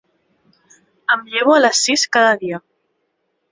Em llevo a les sis cada dia.